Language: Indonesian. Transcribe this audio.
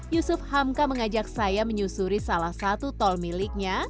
yusuf hamka mengajak saya menyusuri salah satu tol miliknya